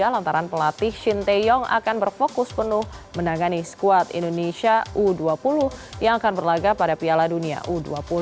lantaran pelatih shin tae yong akan berfokus penuh menangani squad indonesia u dua puluh yang akan berlaga pada piala dunia u dua puluh